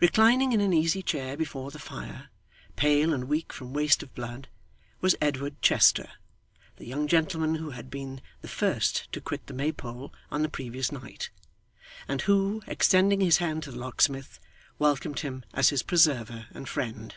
Reclining in an easy chair before the fire, pale and weak from waste of blood, was Edward Chester, the young gentleman who had been the first to quit the Maypole on the previous night, and who, extending his hand to the locksmith, welcomed him as his preserver and friend.